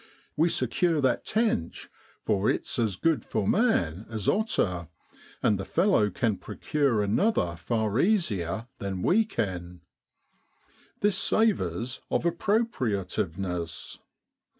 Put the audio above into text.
We secure that tench, for it's as good for man as otter, and the fellow can procure another far easier than we can. This savours of appropriativeness.